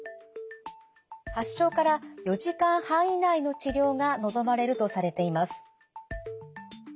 発症から４時間半以内の治療が望まれるとされています。